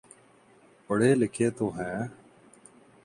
پڑھے لکھے تو ہیں۔